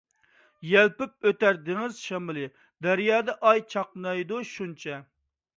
يەلپۈپ ئۆتەر دېڭىز شامىلى، دەريادا ئاي چاقنايدۇ شۇنچە.